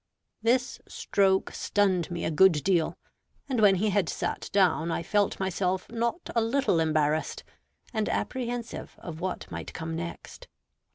This stroke stunned me a good deal; and when he had sat down, I felt myself not a little embarrassed, and apprehensive of what might come next.